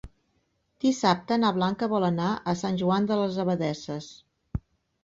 Dissabte na Blanca vol anar a Sant Joan de les Abadesses.